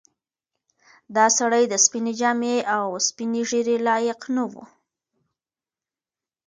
دا سړی د سپینې جامې او سپینې ږیرې لایق نه و.